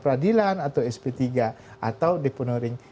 peradilan atau sp tiga atau deponering